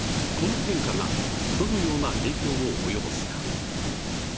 この変化がどのような影響を及ぼすか。